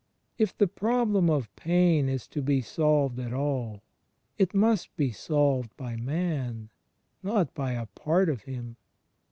If the Problem of Pain is to be solved at all, it must be solved by man, not by a part of him.